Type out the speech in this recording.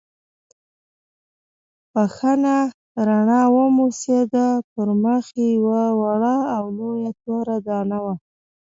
بښنه رڼا وموسېده، پر مخ یې یوه وړه او لویه توره دانه وه.